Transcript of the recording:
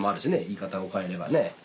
言い方を変えればね。